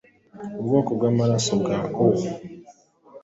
ubwoko bw’amaraso bwa O